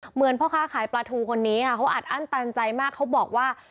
เหมือนพ่อค้าขายปลาทูคนนี้ค่ะเขาอัดอั้นตันใจมากเขาบอกว่า